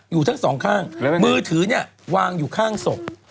อยู่ทั้งสองข้างมือถือเนี่ยวางอยู่ข้างศพ